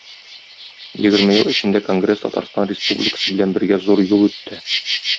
Егерме ел эчендә конгресс Татарстан Республикасы белән бергә зур юл үтте.